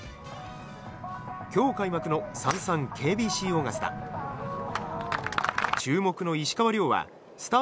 今日開幕のサンサンＫＢＣオーガスタ。